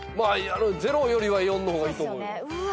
ゼロよりは４の方がいいと思う。